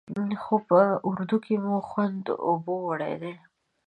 خو په اردو کې مو خوند اوبو وړی دی.